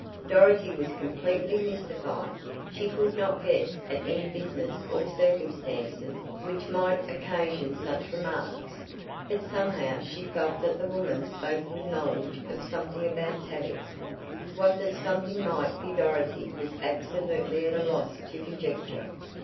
Dorothy was completely mystified. She could not guess at any business or circumstances which might occasion such remarks. But somehow she felt that the woman spoke with knowledge of something about Tavia. What that something might be Dorothy was absolutely at a loss to conjecture.